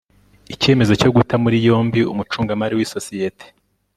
icyemezo cyo guta muri yombi umucungamari w'isosiyete